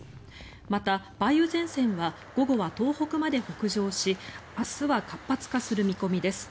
また、梅雨前線は午後は東北まで北上し明日は活発化する見込みです。